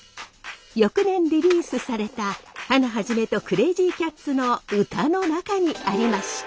翌年リリースされたハナ肇とクレイジーキャッツの歌の中にありました。